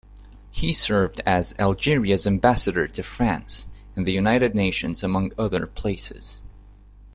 He served as Algeria's ambassador to France and the United Nations among other places.